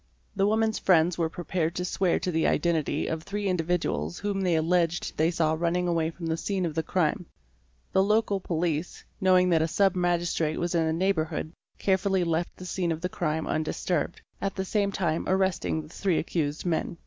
'The woman's friends were prepared to swear to the identity of three individuals whom they alleged they saw running away from the scene of the crime. The local police knowing that a Sub Magistrate was in the neighbourhood carefully left the scene of the crime undisturbed, at the same time arresting the three accused men.